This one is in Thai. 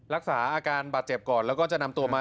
รักษาอาการบาดเจ็บก่อนแล้วก็จะนำตัวมา